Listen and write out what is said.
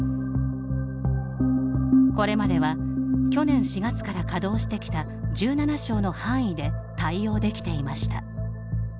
これまでは、去年４月から稼働してきた１７床の範囲で対応できていました。